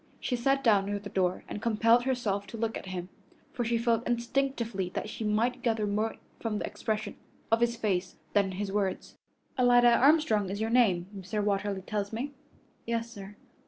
She sat down near the door and compelled herself to look at him, for she felt instinctively that she might gather more from the expression of his face than from his words. "Alida Armstrong is your name, Mr. Watterly tells me?" "Yes, sir."